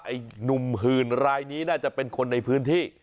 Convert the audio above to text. ไอ้หนุ่มหื่นรายนี้น่าจะเป็นคนในพื้นที่